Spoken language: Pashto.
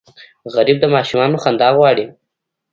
غریب د ماشومانو خندا غواړي